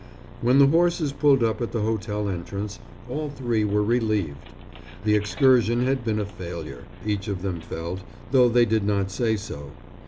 When the horses pulled up at the hotel entrance, all three were relieved. The excursion had been a failure, each of them felt, though thy did not say so.